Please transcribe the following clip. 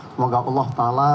semoga allah ta'ala